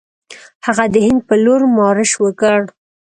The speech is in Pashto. هغه د هند پر لور مارش وکړ.